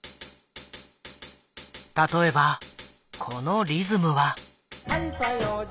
例えばこのリズムは。